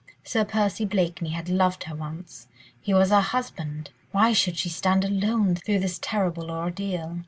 Sir Percy Blakeney had loved her once; he was her husband; why should she stand alone through this terrible ordeal?